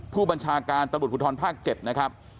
ผู้บัญชาการตำรวจภูทรภาค๗นะครับ